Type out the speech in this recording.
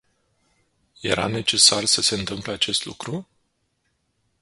Era necesar să se întâmple acest lucru?